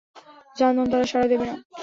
জানতাম, তারা সাড়া দেবে না।